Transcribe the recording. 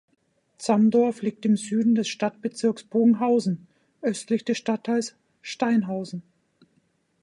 Zamdorf liegt im Süden des Stadtbezirks Bogenhausen östlich des Stadtteils Steinhausen.